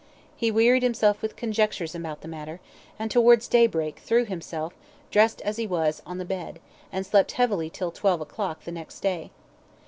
He wearied himself with conjectures about the matter, and towards daybreak threw himself, dressed as he was, on the bed, and slept heavily till twelve o'clock the next day.